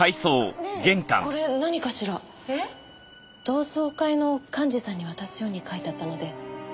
同窓会の幹事さんに渡すように書いてあったので。